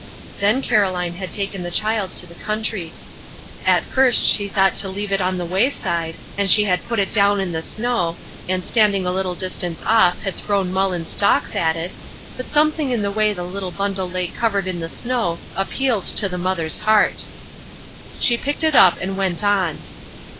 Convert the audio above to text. Then Caroline had taken the child to the country. At first she thought to leave it on the wayside and she had put it down in the snow, and standing a little distance off had thrown mullein stalks at it, but something in the way the little bundle lay covered in the snow appealed to the mother's heart. She picked it up and went on.